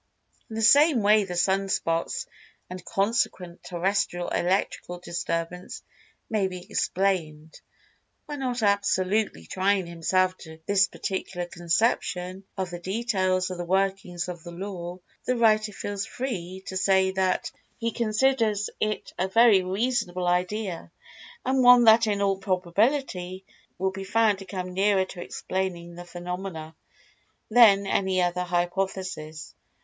In the same way the "Sun spots," and consequent terrestial electrical disturbance may be explained. While not absolutely tying himself to this particular conception of the details of the workings of the law, the writer feels free to say that[Pg 195] he considers it a very reasonable idea, and one that in all probability will be found to come nearer to explaining the phenomena, than any other hypothesis.